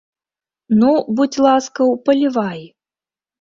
Ну, будзь ласкаў, палівай.